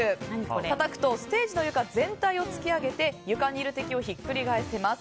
たたくとステージの床全体を突き上げて床にいる敵をひっくり返せます。